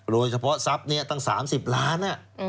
โดยเฉพาะทรัพย์นี้ตั้ง๓๐ล้าน